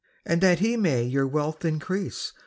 I And that he may your wealth increase